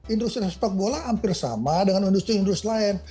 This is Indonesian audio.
industri sepak bola hampir sama dengan industri industri lain